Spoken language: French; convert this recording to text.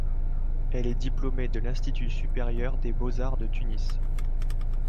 Elle est diplômée de l'Institut supérieur des beaux-arts de Tunis.